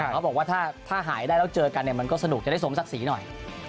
เขาบอกว่าถ้าหายได้แล้วเจอกันเนี่ยมันก็สนุกจะได้สมศักดิ์ศรีหน่อย